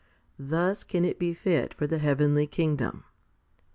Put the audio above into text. Thus can it be fit for the heavenly kingdom.